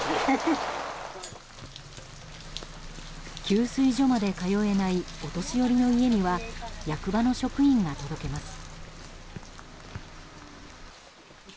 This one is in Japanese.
給水所まで通えないお年寄りの家には役場の職員が届けます。